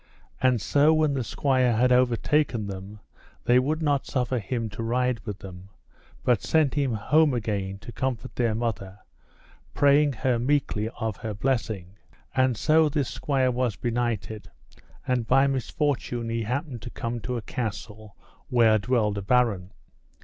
And so when the squire had overtaken them, they would not suffer him to ride with them, but sent him home again to comfort their mother, praying her meekly of her blessing. And so this squire was benighted, and by misfortune he happened to come to a castle where dwelled a baron.